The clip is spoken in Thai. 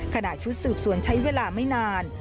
ขณะชุดสืบสวนใช้เวลาไม่นาน